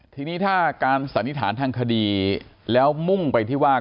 ทีนี้ถ้าการสันนิษฐานทางคดีแล้วมุ่งไปที่ว่า